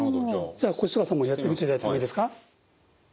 じゃあ越塚さんもやってみていただいてもいいですか。